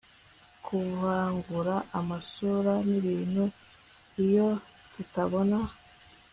kuvangura amasura n'ibintu. iyo kutabona